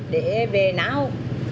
để về nấu